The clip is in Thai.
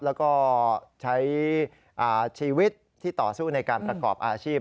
แล้วก็ใช้ชีวิตที่ต่อสู้ในการประกอบอาชีพ